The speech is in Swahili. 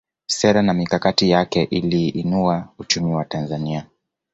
sera na mikakati yake iliinua uchumi wa tanzania